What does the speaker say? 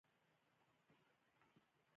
تر دېواله ور پورته شو.